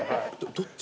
どっち？